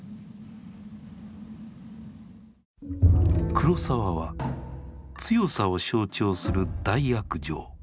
黒澤は強さを象徴する「大悪尉」